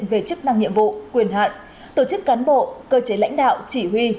về chức năng nhiệm vụ quyền hạn tổ chức cán bộ cơ chế lãnh đạo chỉ huy